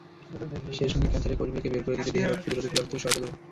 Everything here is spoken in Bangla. সেই সঙ্গে ক্যানসারের কোষগুলোকে বের করে দিতে দেহের রোগ প্রতিরোধব্যবস্থাকে সহায়তা করে।